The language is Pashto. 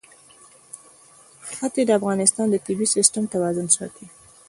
ښتې د افغانستان د طبعي سیسټم توازن ساتي.